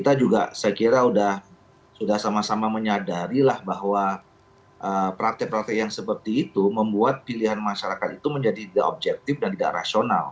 nah saya kira sudah sama sama menyadari bahwa praktik praktik yang seperti itu membuat pilihan masyarakat itu menjadi tidak objektif dan tidak rasional